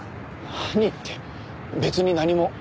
何って別に何も。